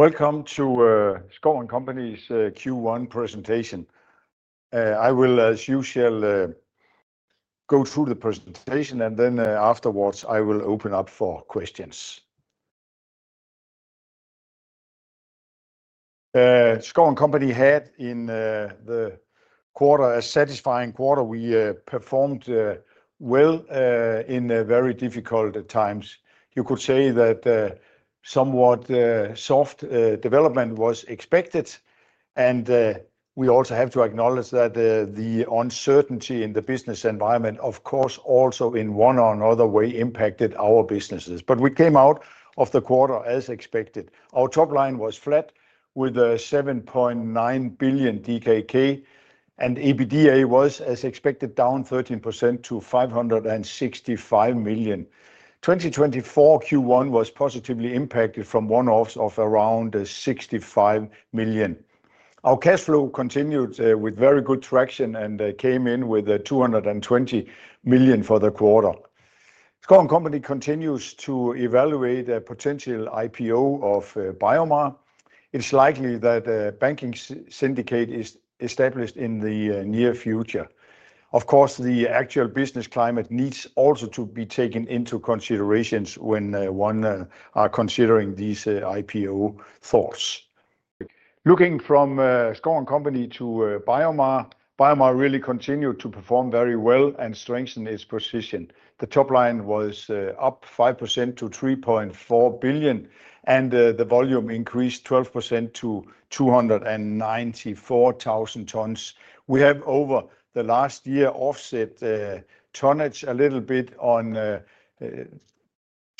Welcome to Schouw & Co.'s Q1 presentation. I will, as usual, go through the presentation, and then afterwards I will open up for questions. Schouw & Co. had in the quarter a satisfying quarter. We performed well in very difficult times. You could say that somewhat soft development was expected, and we also have to acknowledge that the uncertainty in the business environment, of course, also in one or another way impacted our businesses. We came out of the quarter as expected. Our top line was flat with 7.9 billion DKK, and EBITDA was, as expected, down 13% to 565 million. 2024 Q1 was positively impacted from one-offs of around 65 million. Our cash flow continued with very good traction and came in with 220 million for the quarter. Schouw & Co. continues to evaluate a potential IPO of BioMar. It's likely that a banking syndicate is established in the near future. Of course, the actual business climate needs also to be taken into consideration when one is considering these IPO thoughts. Looking from Schouw & Co. to BioMar, BioMar really continued to perform very well and strengthen its position. The top line was up 5% to 3.4 billion, and the volume increased 12% to 294,000 tons. We have, over the last year, offset tonnage a little bit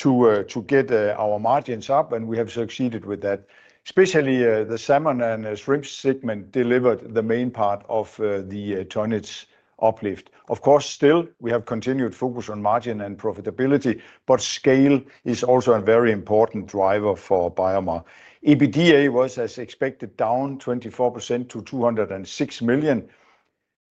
to get our margins up, and we have succeeded with that. Especially the salmon and shrimp segment delivered the main part of the tonnage uplift. Of course, still, we have continued focus on margin and profitability, but scale is also a very important driver for BioMar. EBITDA was, as expected, down 24% to 206 million.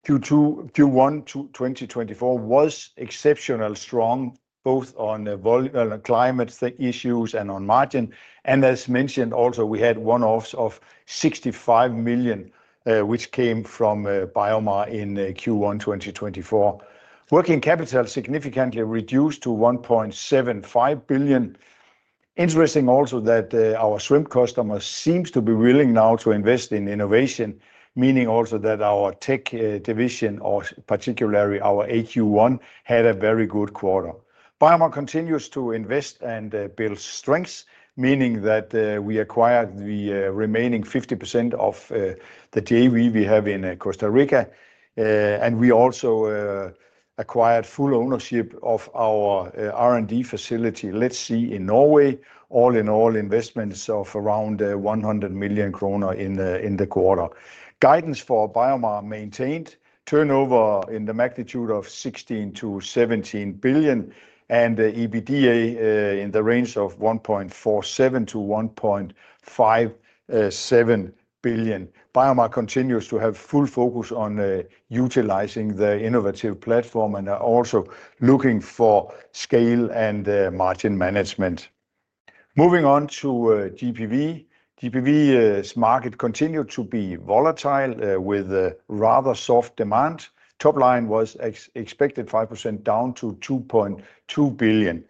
Q1 2024 was exceptionally strong, both on climate issues and on margin. As mentioned also, we had one-offs of 65 million, which came from BioMar in Q1 2024. Working capital significantly reduced to 1.75 billion. Interesting also that our shrimp customers seem to be willing now to invest in innovation, meaning also that our tech division, or particularly our AQ1, had a very good quarter. BioMar continues to invest and build strengths, meaning that we acquired the remaining 50% of the JV we have in Costa Rica, and we also acquired full ownership of our R&D facility in Let's Sea in Norway, all in all investments of around 100 million kroner in the quarter. Guidance for BioMar maintained, turnover in the magnitude of 16 billion-17 billion, and EBITDA in the range of 1.47 billion-1.57 billion. BioMar continues to have full focus on utilizing the innovative platform and also looking for scale and margin management. Moving on to GPV. GPV's market continued to be volatile with rather soft demand. Top line was expected 5% down to 2.2 billion.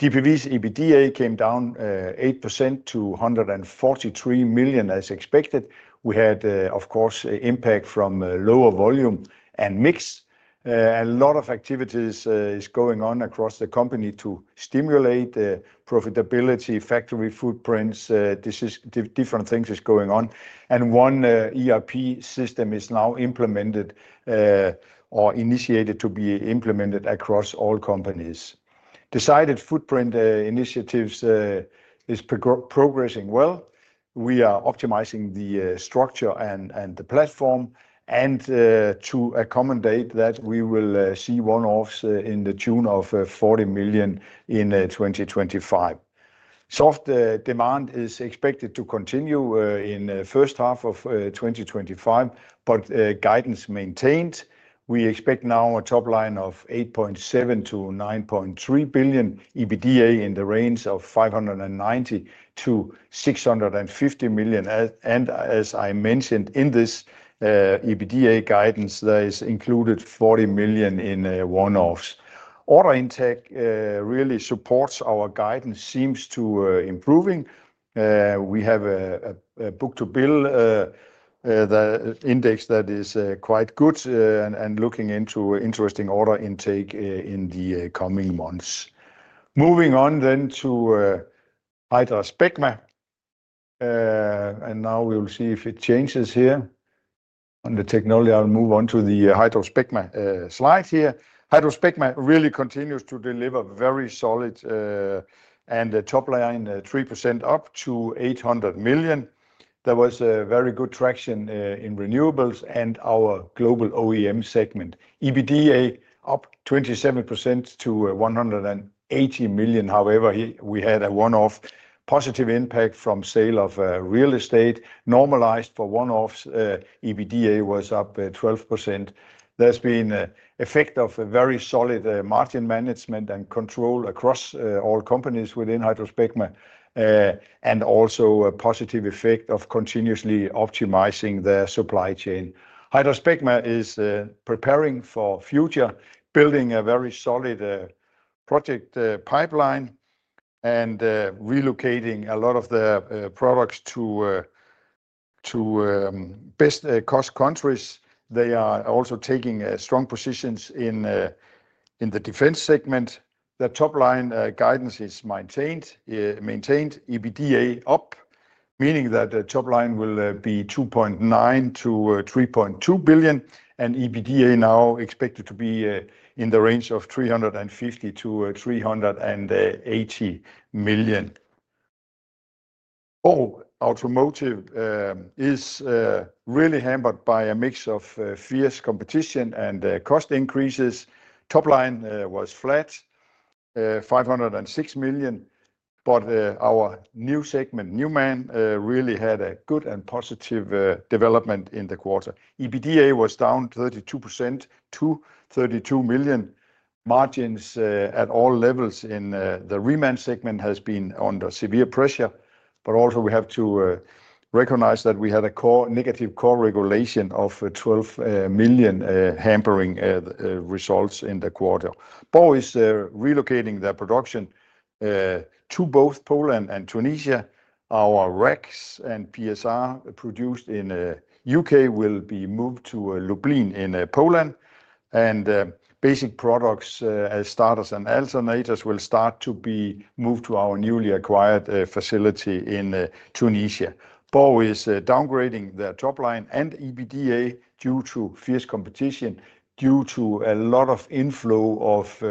GPV's EBITDA came down 8% to 143 million as expected. We had, of course, impact from lower volume and mix. A lot of activities are going on across the company to stimulate profitability, factory footprints, different things are going on. One ERP system is now implemented or initiated to be implemented across all companies. Decided footprint initiatives are progressing well. We are optimizing the structure and the platform, and to accommodate that, we will see one-offs in the tune of 40 million in 2025. Soft demand is expected to continue in the first half of 2025, but guidance maintained. We expect now a top line of 8.7 billion-9.3 billion. EBITDA in the range of 590 million-650 million. As I mentioned in this EBITDA guidance, that is included 40 million in one-offs. Order intake really supports our guidance, seems to be improving. We have a book-to-bill index that is quite good and looking into interesting order intake in the coming months. Moving on then to HydraSpecma, and now we will see if it changes here. On the technology, I will move on to the HydraSpecma slide here. HydraSpecma really continues to deliver very solid and top line 3% up to 800 million. There was very good traction in renewables and our global OEM segment. EBITDA up 27% to 180 million. However, we had a one-off positive impact from sale of real estate, normalized for one-offs. EBITDA was up 12%. There has been an effect of very solid margin management and control across all companies within HydraSpecma, and also a positive effect of continuously optimizing the supply chain. HydraSpecma is preparing for the future, building a very solid project pipeline and relocating a lot of the products to best cost countries. They are also taking strong positions in the defense segment. The top line guidance is maintained, EBITDA up, meaning that the top line will be 2.9 billion-3.2 billion, and EBITDA now expected to be in the range of 350 million-380 million. Oh, automotive is really hampered by a mix of fierce competition and cost increases. Top line was flat, 506 million, but our new segment, Newman, really had a good and positive development in the quarter. EBITDA was down 32% to 32 million. Margins at all levels in the Newman segment have been under severe pressure, but also we have to recognize that we had a negative core regulation of 12 million hampering results in the quarter. Borg is relocating their production to both Poland and Tunisia. Our racks and PSR produced in the U.K. will be moved to Lublin in Poland, and basic products as starters and alternators will start to be moved to our newly acquired facility in Tunisia. Borg is downgrading their top line and EBITDA due to fierce competition, due to a lot of inflow of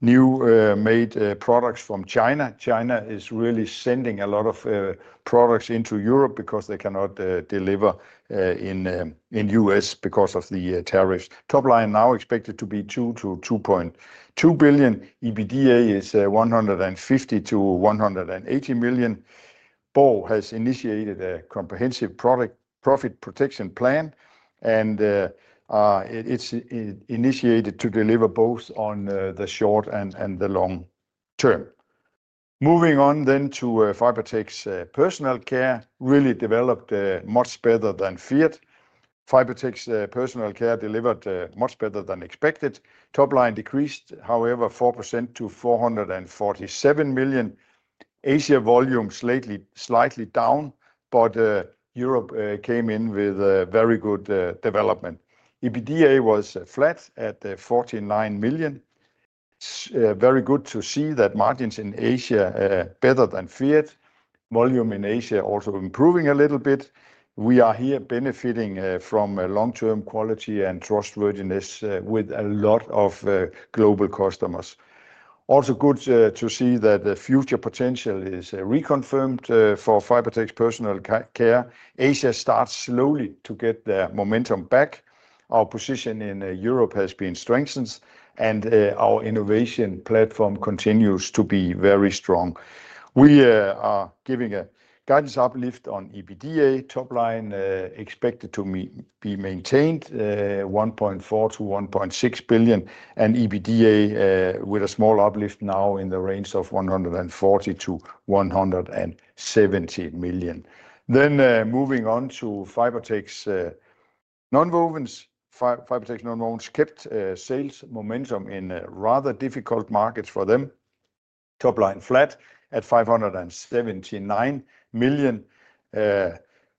new-made products from China. China is really sending a lot of products into Europe because they cannot deliver in the U.S. because of the tariffs. Top line now expected to be 2 billion-2.2 billion. EBITDA is 150 million-180 million. Borg has initiated a comprehensive profit protection plan, and it's initiated to deliver both on the short and the long term. Moving on then to Fibertex Personal Care, really developed much better than feared. Fibertex Personal Care delivered much better than expected. Top line decreased, however, 4% to 447 million. Asia volume slightly down, but Europe came in with very good development. EBITDA was flat at 49 million. It's very good to see that margins in Asia are better than feared. Volume in Asia is also improving a little bit. We are here benefiting from long-term quality and trustworthiness with a lot of global customers. Also good to see that the future potential is reconfirmed for Fibertex Personal Care. Asia starts slowly to get their momentum back. Our position in Europe has been strengthened, and our innovation platform continues to be very strong. We are giving a guidance uplift on EBITDA. Top line expected to be maintained 1.4 billion-1.6 billion, and EBITDA with a small uplift now in the range of 140 million-170 million. Moving on to Fibertex Nonwovens. Fibertex Nonwovens kept sales momentum in rather difficult markets for them. Top line flat at 579 million.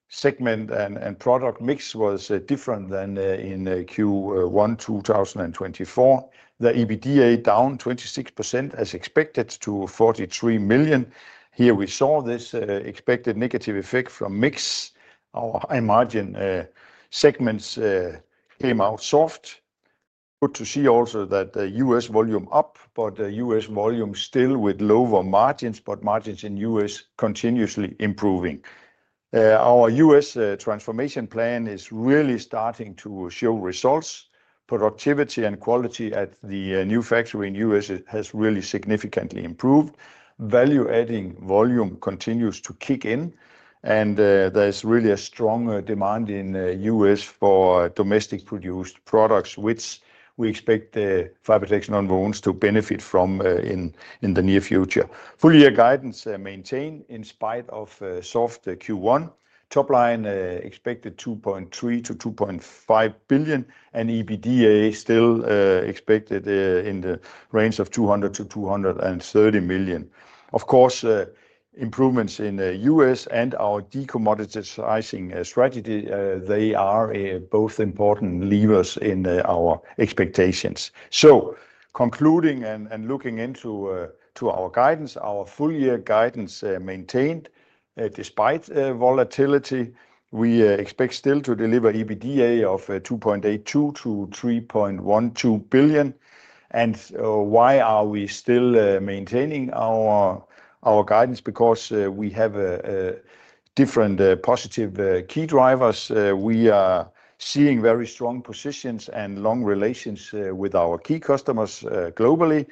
Segment and product mix was different than in Q1 2024. The EBITDA down 26% as expected to 43 million. Here we saw this expected negative effect from mix. Our high margin segments came out soft. Good to see also that the U.S. volume is up, but U.S. volume is still with lower margins, but margins in the U.S. are continuously improving. Our U.S. transformation plan is really starting to show results. Productivity and quality at the new factory in the U.S. has really significantly improved. Value-adding volume continues to kick in, and there's really a strong demand in the U.S. for domestically produced products, which we expect the Fibertex Nonwovens to benefit from in the near future. Full year guidance maintained in spite of soft Q1. Top line expected 2.3 billion-2.5 billion, and EBITDA still expected in the range of 200 million-230 million. Of course, improvements in the U.S. and our decommoditizing strategy, they are both important levers in our expectations. Concluding and looking into our guidance, our full year guidance maintained despite volatility. We expect still to deliver EBITDA of 2.82 billion-3.12 billion. And why are we still maintaining our guidance? Because we have different positive key drivers. We are seeing very strong positions and long relations with our key customers globally.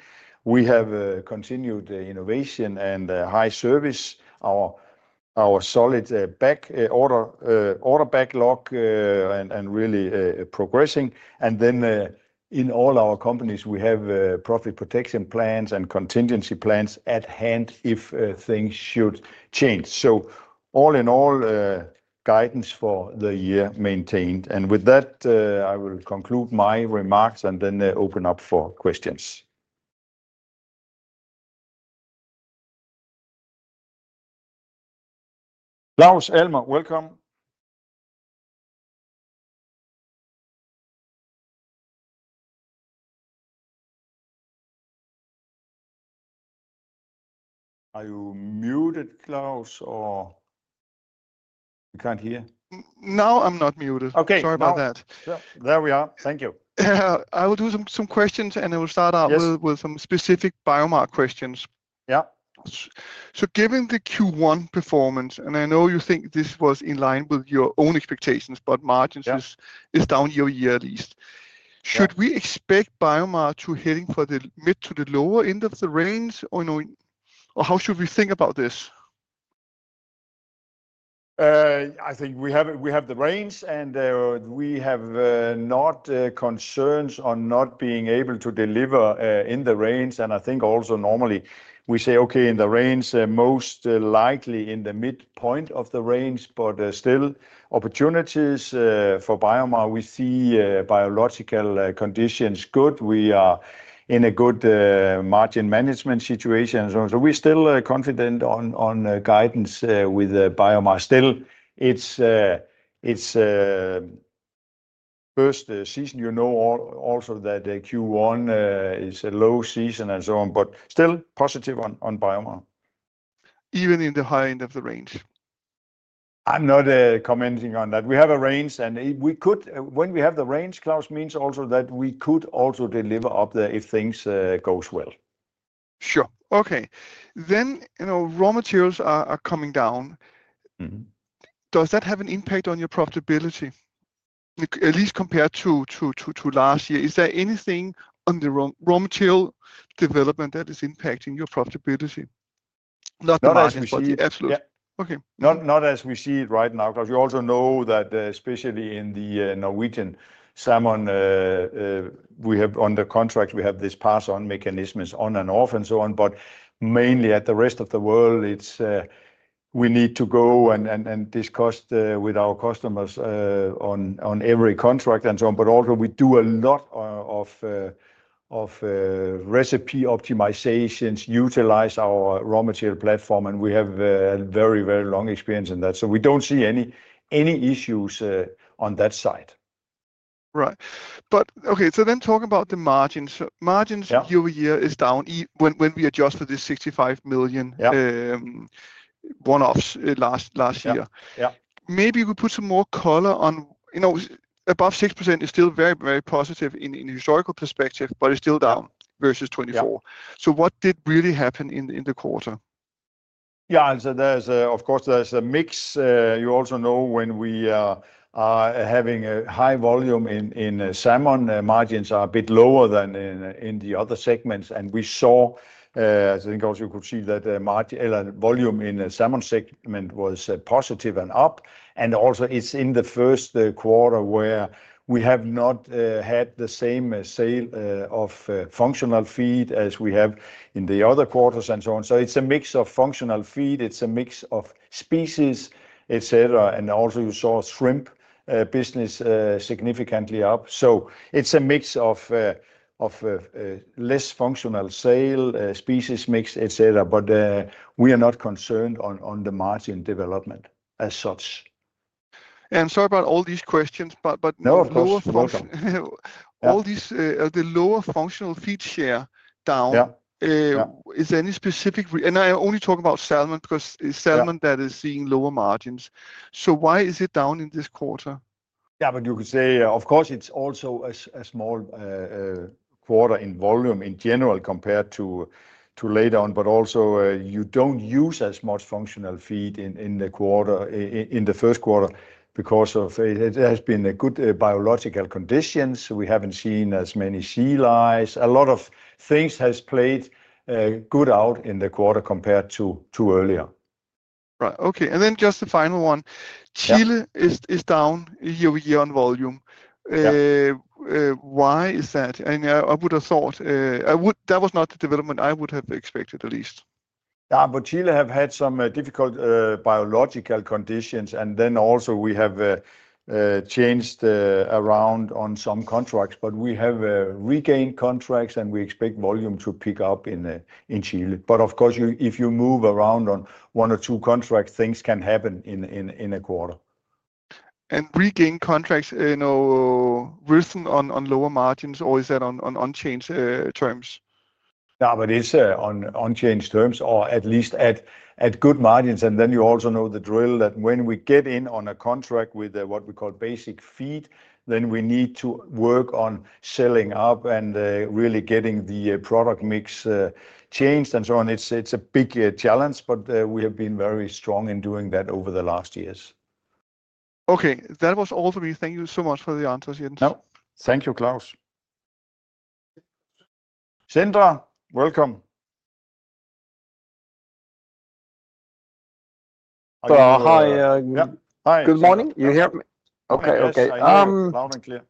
We have continued innovation and high service. Our solid back order backlog and really progressing. In all our companies, we have profit protection plans and contingency plans at hand if things should change. All in all, guidance for the year maintained. With that, I will conclude my remarks and then open up for questions. Klaus, Elmer, welcome. Are you muted, Klaus, or you can't hear? No, I'm not muted. Okay, sorry about that. There we are. Thank you. I will do some questions, and I will start out with some specific BioMar questions. Yeah. Given the Q1 performance, and I know you think this was in line with your own expectations, but margins are down year-year at least. Should we expect BioMar to head for the mid to the lower end of the range? Or how should we think about this? I think we have the range, and we have no concerns on not being able to deliver in the range. I think also normally we say, okay, in the range, most likely in the midpoint of the range, but still opportunities for BioMar. We see biological conditions good. We are in a good margin management situation. We're still confident on guidance with BioMar. Still, it's first season. You know also that Q1 is a low season and so on, but still positive on BioMar. Even in the high end of the range. I'm not commenting on that. We have a range, and we could, when we have the range, Klaus means also that we could also deliver up there if things go well. Sure. Okay. Raw materials are coming down. Does that have an impact on your profitability, at least compared to last year? Is there anything on the raw material development that is impacting your profitability? Not as we see it. Absolutely. Okay. Not as we see it right now, because you also know that especially in the Norwegian salmon, we have under contract, we have these pass-on mechanisms on and off and so on, but mainly at the rest of the world, we need to go and discuss with our customers on every contract and so on. Also, we do a lot of recipe optimizations, utilize our raw material platform, and we have a very, very long experience in that. We do not see any issues on that side. Right. Okay, so then talk about the margins. Margins year-to-year is down when we adjust for this 65 million one-offs last year. Maybe we put some more color on. Above 6% is still very, very positive in historical perspective, but it is still down versus 2024. What did really happen in the quarter? Yeah, of course there is a mix. You also know when we are having a high volume in salmon, margins are a bit lower than in the other segments. We saw, I think also you could see that volume in the salmon segment was positive and up. It is in the first quarter where we have not had the same sale of functional feed as we have in the other quarters and so on. It is a mix of functional feed. It is a mix of species, etc. You saw shrimp business significantly up. It is a mix of less functional sale, species mix, etc. We are not concerned on the margin development as such. Sorry about all these questions, but all these lower functional feed share down, is there any specific? I only talk about salmon because it is salmon that is seeing lower margins. Why is it down in this quarter? Yeah, you could say, of course, it's also a small quarter in volume in general compared to later on, but also you don't use as much functional feed in the quarter, in the first quarter, because it has been good biological conditions. We haven't seen as many sea lice. A lot of things have played good out in the quarter compared to earlier. Right. Okay. And then just the final one. Chile is down year-to-year on volume. Why is that? I would have thought that was not the development I would have expected at least. Yeah, but Chile have had some difficult biological conditions, and then also we have changed around on some contracts, but we have regained contracts and we expect volume to pick up in Chile. Of course, if you move around on one or two contracts, things can happen in a quarter. Regain contracts, written on lower margins or is that on unchanged terms? Yeah, but it is on unchanged terms or at least at good margins. You also know the drill that when we get in on a contract with what we call basic feed, then we need to work on selling up and really getting the product mix changed and so on. It is a big challenge, but we have been very strong in doing that over the last years. Okay. That was all for me. Thank you so much for the answers. Thank you, Klaus. Sendra, welcome. Hi. Good morning. You hear me? Okay, okay. Loud and clear.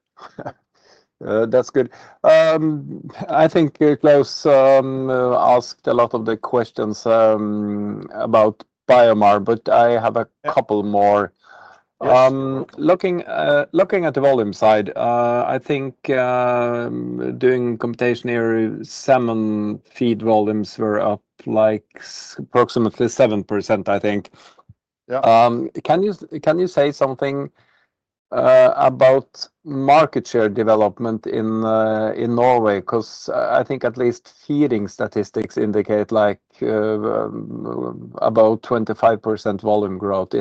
That is good. I think Klaus asked a lot of the questions about BioMar, but I have a couple more. Looking at the volume side, I think doing computation here, salmon feed volumes were up like approximately 7%, I think. Can you say something about market share development in Norway? Because I think at least feeding statistics indicate about 25% volume growth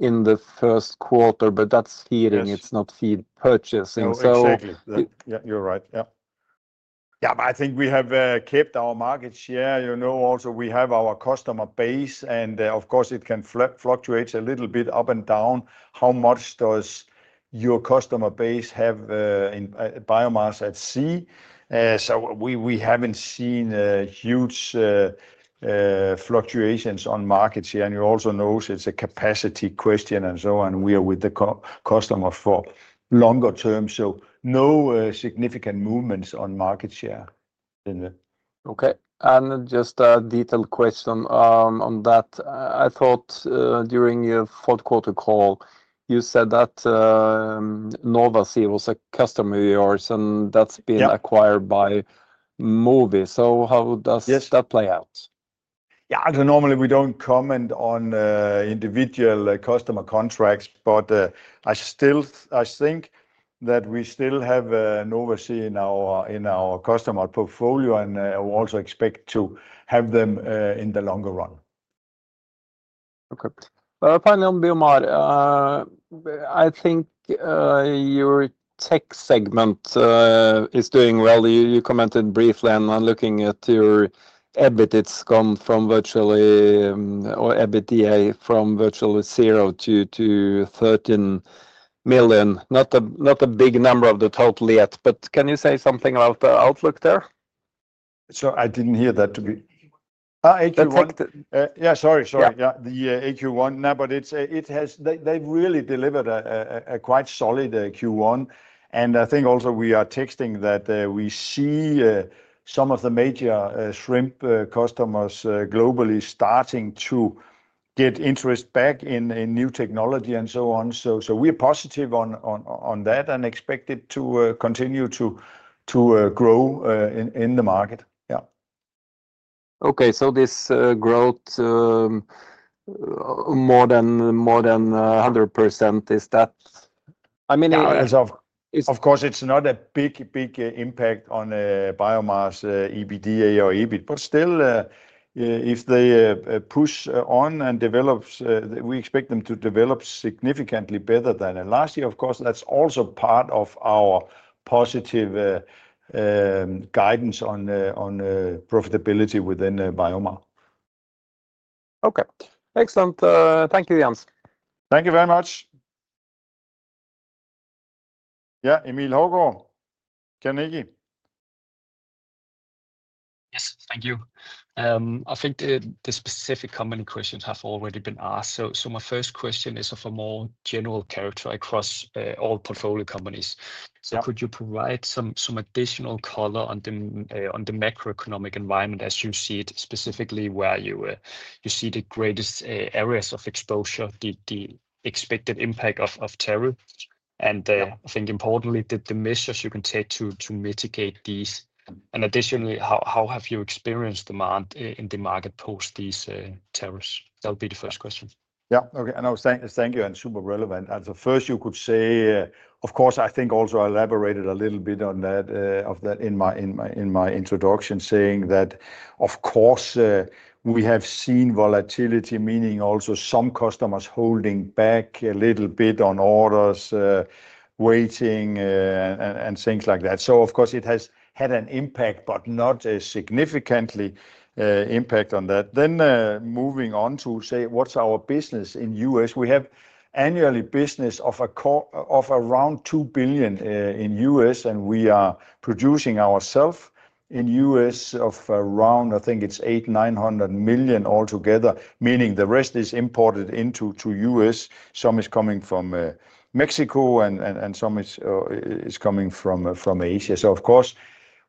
in the first quarter, but that's feeding. It's not feed purchasing. Exactly. You're right. Yeah. I think we have kept our market share. You know, also we have our customer base, and of course it can fluctuate a little bit up and down. How much does your customer base have in BioMar at sea? We haven't seen huge fluctuations on market share. You also know it's a capacity question and so on. We are with the customer for longer term. No significant movements on market share. Okay. Just a detailed question on that. I thought during your fourth quarter call, you said that Nova Sea was a customer of yours and that's been acquired by Mowi. How does that play out? Yeah, normally we don't comment on individual customer contracts, but I still think that we still have Nova Sea in our customer portfolio and also expect to have them in the longer run. Okay. Finally, on BioMar, I think your tech segment is doing well. You commented briefly on looking at your EBITDA from virtually zero to 13 million. Not a big number of the total yet, but can you say something about the outlook there? I didn't hear that. AQ1. Yeah, sorry, sorry. Yeah, the AQ1. No, but they really delivered a quite solid Q1. I think also we are texting that we see some of the major shrimp customers globally starting to get interest back in new technology and so on. We are positive on that and expect it to continue to grow in the market. Yeah. Okay. This growth more than 100%, is that? I mean, of course, it is not a big impact on BioMar's EBITDA or EBIT, but still, if they push on and develop, we expect them to develop significantly better than last year. Of course, that is also part of our positive guidance on profitability within BioMar. Okay. Excellent. Thank you, Jens. Thank you very much. Yeah, Emil Hågård. Kjell-Nikki. Yes, thank you. I think the specific company questions have already been asked. My first question is of a more general character across all portfolio companies. Could you provide some additional color on the macroeconomic environment as you see it, specifically where you see the greatest areas of exposure, the expected impact of tariff? I think importantly, the measures you can take to mitigate these. Additionally, how have you experienced demand in the market post these tariffs? That would be the first question. Yeah. Thank you. Super relevant. First, you could say, of course, I think also I elaborated a little bit on that in my introduction, saying that, of course, we have seen volatility, meaning also some customers holding back a little bit on orders, waiting, and things like that. It has had an impact, but not a significant impact on that. Moving on to say, what's our business in the U.S.? We have annually business of around 2 billion in the U.S., and we are producing ourself in the U.S. of around, I think it's 8,900 million altogether, meaning the rest is imported into the U.S.. Some is coming from Mexico, and some is coming from Asia. Of course,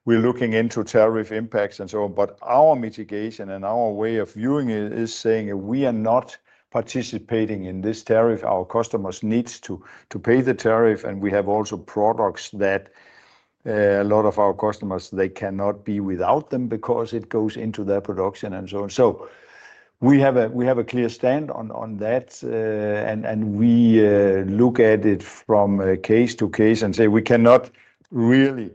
we're looking into tariff impacts and so on. Our mitigation and our way of viewing it is saying we are not participating in this tariff. Our customers need to pay the tariff, and we have also products that a lot of our customers, they cannot be without them because it goes into their production and so on. We have a clear stand on that, and we look at it from case to case and say we cannot really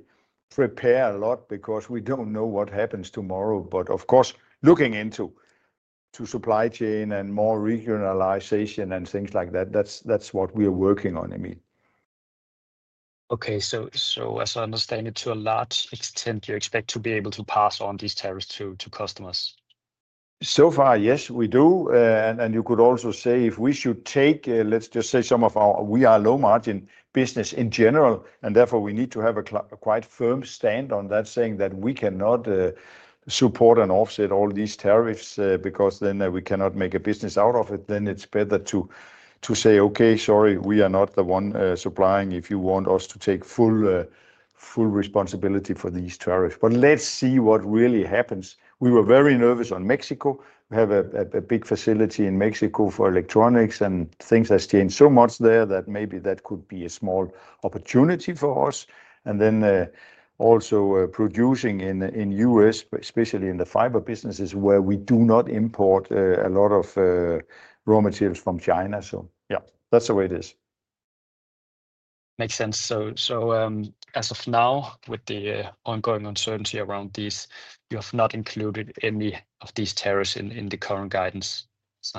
prepare a lot because we don't know what happens tomorrow. Of course, looking into supply chain and more regionalization and things like that, that's what we are working on, I mean. Okay. As I understand it, to a large extent, you expect to be able to pass on these tariffs to customers? So far, yes, we do. You could also say if we should take, let's just say some of our, we are low margin business in general, and therefore we need to have a quite firm stand on that, saying that we cannot support and offset all these tariffs because then we cannot make a business out of it. It is better to say, okay, sorry, we are not the one supplying if you want us to take full responsibility for these tariffs. Let's see what really happens. We were very nervous on Mexico. We have a big facility in Mexico for electronics, and things have changed so much there that maybe that could be a small opportunity for us. Also, producing in the U.S., especially in the fiber businesses where we do not import a lot of raw materials from China. Yeah, that's the way it is. Makes sense. As of now, with the ongoing uncertainty around these, you have not included any of these tariffs in the current guidance?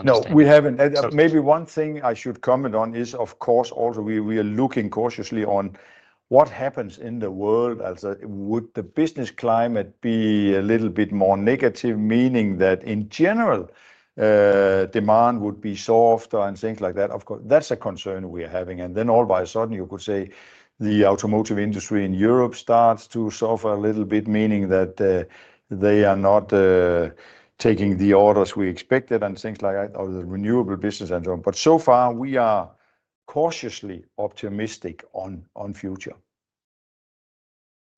No, we haven't. Maybe one thing I should comment on is, of course, we are looking cautiously on what happens in the world. Would the business climate be a little bit more negative, meaning that in general, demand would be soft and things like that? Of course, that's a concern we are having. All by a sudden, you could say the automotive industry in Europe starts to soften a little bit, meaning that they are not taking the orders we expected and things like that, or the renewable business and so on. So far, we are cautiously optimistic on the future.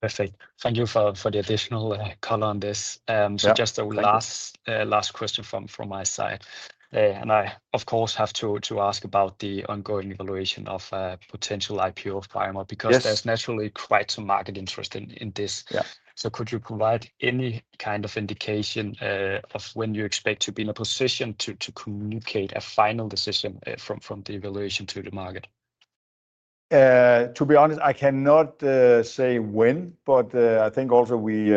Perfect. Thank you for the additional color on this. Just a last question from my side. I, of course, have to ask about the ongoing evaluation of potential IPO of BioMar because there is naturally quite some market interest in this. Could you provide any kind of indication of when you expect to be in a position to communicate a final decision from the evaluation to the market? To be honest, I cannot say when, but I think also we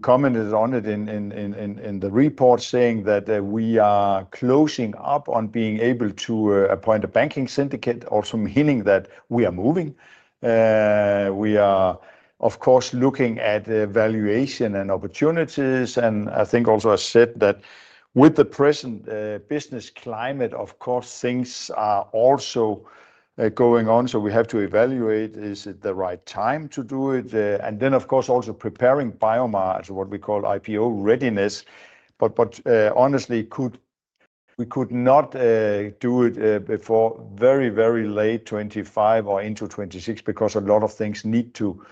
commented on it in the report saying that we are closing up on being able to appoint a banking syndicate, also meaning that we are moving. We are, of course, looking at valuation and opportunities. I think also I said that with the present business climate, of course, things are also going on. We have to evaluate, is it the right time to do it? Of course, also preparing BioMar as what we call IPO readiness. Honestly, we could not do it before very, very late 2025 or into 2026 because a lot of things need to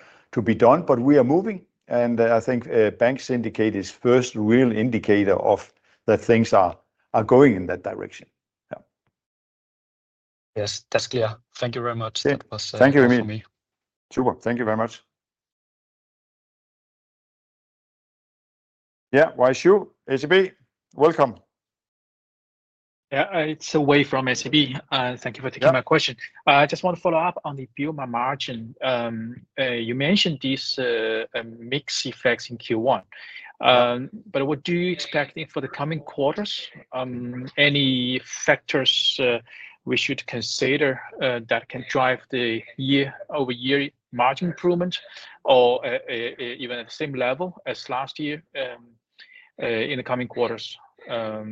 be done. We are moving. I think bank syndicate is the first real indicator of that things are going in that direction. Yes, that's clear. Thank you very much. Thank you, Emil. Super. Thank you very much. Yeah, YSU, ACB, welcome. Yeah, it's away from ACB. Thank you for taking my question. I just want to follow up on the BioMar margin. You mentioned these mixed effects in Q1. What do you expect for the coming quarters? Any factors we should consider that can drive the year-over-year margin improvement or even at the same level as last year in the coming quarters? I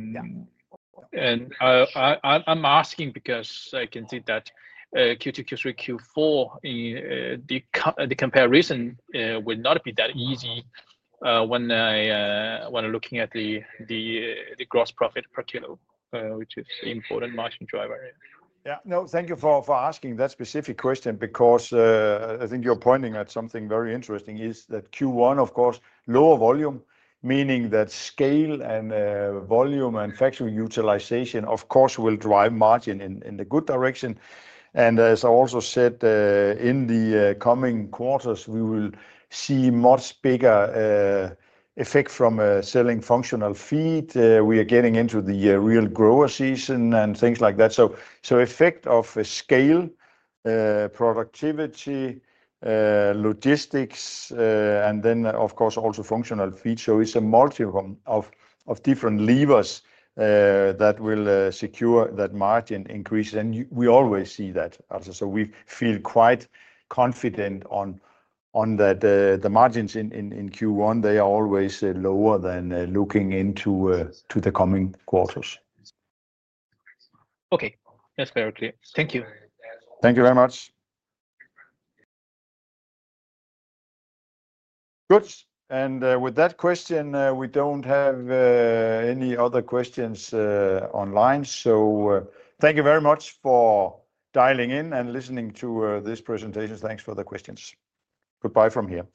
am asking because I can see that Q2, Q3, Q4, the comparison would not be that easy when I am looking at the gross profit per kilo, which is an important margin driver. Yeah. No, thank you for asking that specific question because I think you are pointing at something very interesting. Q1, of course, lower volume, meaning that scale and volume and factory utilization, of course, will drive margin in the good direction. As I also said, in the coming quarters, we will see much bigger effect from selling functional feed. We are getting into the real grower season and things like that. Effect of scale, productivity, logistics, and then, of course, also functional feed. It is a multiple of different levers that will secure that margin increase. We always see that. We feel quite confident that the margins in Q1 are always lower than looking into the coming quarters. Okay. That is very clear. Thank you. Thank you very much. Good. With that question, we do not have any other questions online. Thank you very much for dialing in and listening to this presentation. Thanks for the questions. Goodbye from here.